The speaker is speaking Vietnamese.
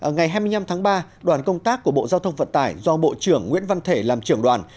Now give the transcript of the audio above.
ngày hai mươi năm tháng ba đoàn công tác của bộ giao thông vận tải do bộ trưởng nguyễn văn thể làm trưởng đoàn